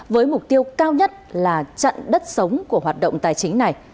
với mục tiêu cao nhất là chặn đất sống của hoạt động tài chính này